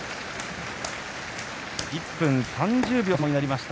１分３０秒の相撲になりました。